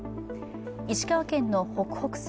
石川県の北北西